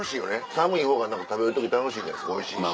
寒い方が食べる時楽しいじゃないですかおいしいし。